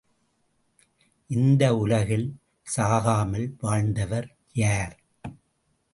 இந்த உலகில் சாகாமல் வாழ்ந்தவர் யார்?